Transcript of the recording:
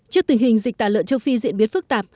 trước tình hình dịch tả lợn châu phi diễn biến phức tạp